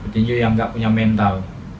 tinju yang nggak punya mental